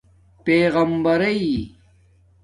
پیغمبرئئ